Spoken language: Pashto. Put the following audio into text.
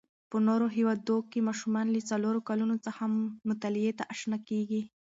په نورو هیوادو کې ماشومان له څلورو کلونو څخه مطالعې ته آشنا کېږي.